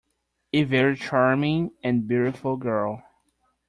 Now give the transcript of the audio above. A very charming and beautiful girl.